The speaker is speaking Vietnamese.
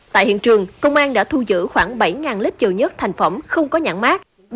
tại hiện trường công an đã thu giữ khoảng bảy lít chiều nhất thành phẩm không có nhãn mát